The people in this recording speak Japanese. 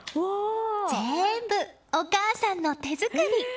全部、お母さんの手作り！